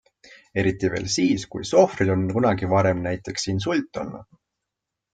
Eriti veel siis, kui sohvril on kunagi varem näiteks insult olnud.